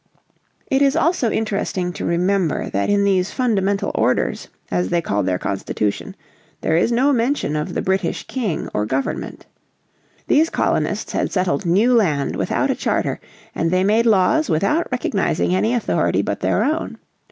It is also interesting to remember that in these Fundamental Orders, as they called their Constitution, there is no mention of the British King or Government. These colonists had settled new land without a charter, and they made laws without recognising any authority but their own.